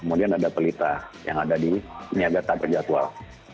kemudian ada pelita yang ada di niaga tak berjadwal